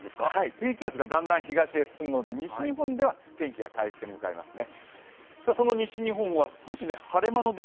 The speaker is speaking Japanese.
低気圧がだんだん東に進むので西日本では天気が回復に向かいますね。